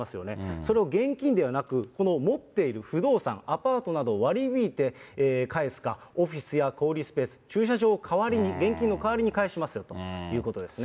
それを現金ではなく、この持っている不動産、アパートなどを割り引いて返すか、オフィスや小売りスペース、駐車場を代わりに、現金の代わりに返しますよということですね。